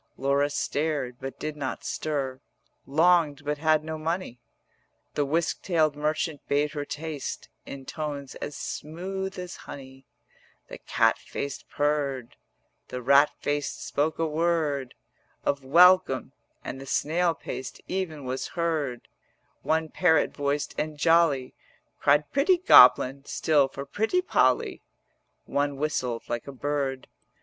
Laura stared but did not stir, Longed but had no money: The whisk tailed merchant bade her taste In tones as smooth as honey, The cat faced purr'd, The rat faced spoke a word 110 Of welcome, and the snail paced even was heard; One parrot voiced and jolly Cried 'Pretty Goblin' still for 'Pretty Polly;' One whistled like a bird.